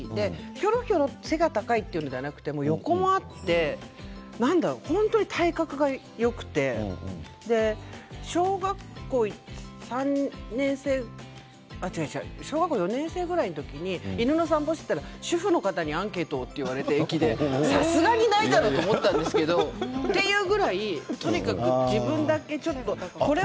ひょろひょろ背が高いのではなく横もあって本当に体格がよくて小学校３年生違う小学校４年生ぐらいの時に犬の散歩してたら主婦の方にアンケートをと駅で言われてさすがにないだろうと思ったんですけどというぐらいに自分だけちょっと。